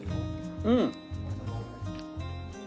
うん！